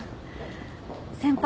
先輩